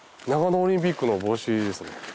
長野オリンピックの帽子ですね。